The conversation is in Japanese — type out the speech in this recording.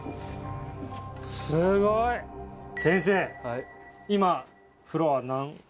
すごい！先生。